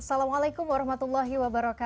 assalamualaikum wr wb